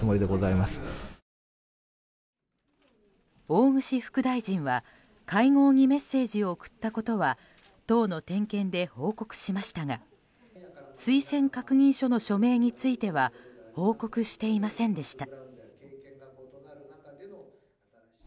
大串副大臣は会合にメッセージを送ったことは党の点検で報告しましたが推薦確認書の署名については報告していませんでした。